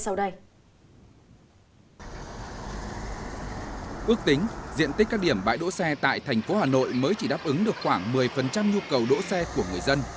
ước tính diện tích các điểm bãi đỗ xe tại thành phố hà nội mới chỉ đáp ứng được khoảng một mươi nhu cầu đỗ xe của người dân